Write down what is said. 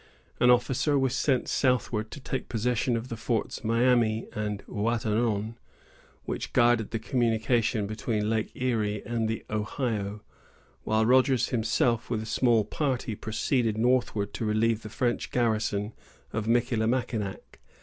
An officer was sent southward to take possession of the forts Miami and Ouatanon, which guarded the communication between Lake Erie and the Ohio; while Rogers himself, with a small party, proceeded northward to relieve the French garrison of Michillimackinac.